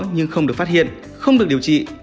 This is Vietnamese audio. nhưng không được phát hiện không được điều trị